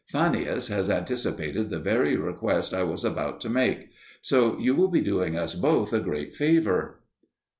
Fannius has anticipated the very request I was about to make. So you will be doing us both a great favour.